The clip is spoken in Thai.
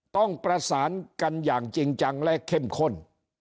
ต้องประสานกันอย่างจริงจังและเข้มข้น